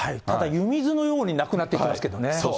ただ湯水のようになくなっていきますけどね。